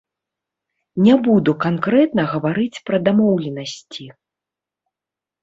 Не буду канкрэтна гаварыць пра дамоўленасці.